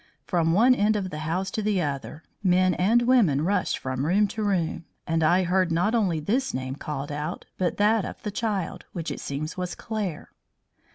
From one end of the house to the other, men and women rushed from room to room, and I heard not only this name called out, but that of the child, which it seems was Claire.